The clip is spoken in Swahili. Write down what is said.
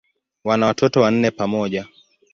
Wana watoto wanne pamoja.